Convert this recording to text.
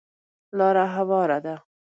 لاره هواره ده .